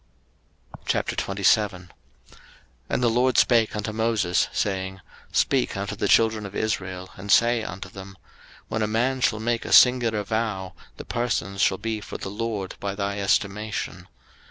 03:027:001 And the LORD spake unto Moses, saying, 03:027:002 Speak unto the children of Israel, and say unto them, When a man shall make a singular vow, the persons shall be for the LORD by thy estimation.